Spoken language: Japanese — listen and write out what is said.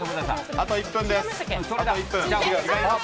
あと１分です。